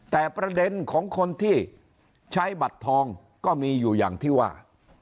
แต่ประเด็นของคนที่ใช้บัตรทองก็มีอยู่อย่างที่ว่า